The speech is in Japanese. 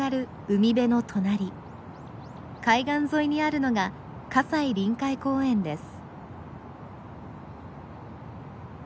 海岸沿いにあるのが西臨海公園です。